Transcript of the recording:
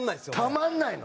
たまらないの！